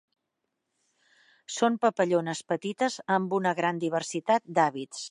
Són papallones petites amb una gran diversitat d'hàbits.